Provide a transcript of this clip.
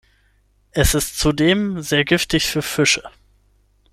Es ist zudem sehr giftig für Fische.